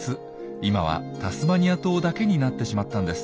今はタスマニア島だけになってしまったんです。